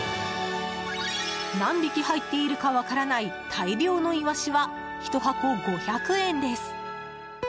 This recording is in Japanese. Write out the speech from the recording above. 何匹入っているか分からない大量のイワシはひと箱５００円です。